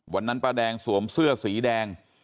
วันนั้นป้าแดงสวมเสื้อสีแดง